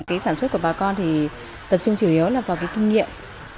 cái sản xuất của bà con thì tập trung chủ yếu là vào cái kinh nghiệm